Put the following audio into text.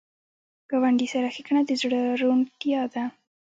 ګاونډي سره ښېګڼه د زړه روڼتیا ده